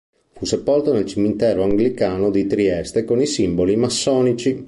Fu sepolto nel cimitero anglicano di Trieste con i simboli massonici.